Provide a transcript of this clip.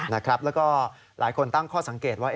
แล้วก็หลายคนตั้งข้อสังเกตว่า